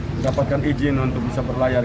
mendapatkan izin untuk bisa berlayar